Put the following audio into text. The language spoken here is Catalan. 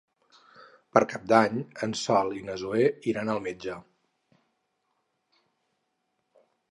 Per Cap d'Any en Sol i na Zoè iran al metge.